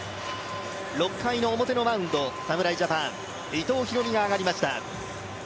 ６回の表のマウンド、侍ジャパン伊藤大海が上がりました。